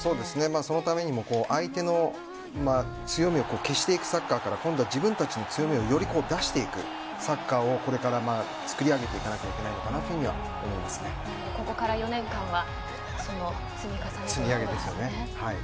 そのためにも相手の強みを消していくサッカーから自分たちの強みをより出していくサッカーをこれから作り上げていかなければここから４年間はその積み重ねですよね。